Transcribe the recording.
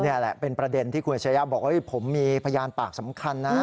นี่แหละเป็นประเด็นที่คุณอาชญาบอกว่าผมมีพยานปากสำคัญนะ